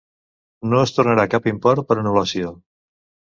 No es tornarà cap import per anul·lació.